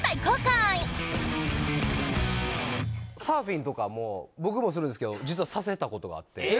サーフィンとかも僕もするんですけど実はさせたことがあって。